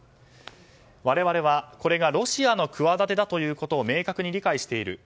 我々はこれがロシアの企てということを明確に理解している。